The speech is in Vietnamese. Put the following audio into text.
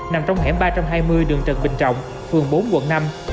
nằm trong hẻm ba trăm hai mươi đường trần bình trọng phường bốn quận năm